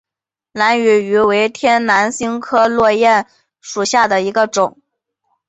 兰屿芋为天南星科落檐属下的一个种。